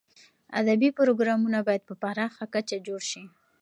ادبي پروګرامونه باید په پراخه کچه جوړ شي.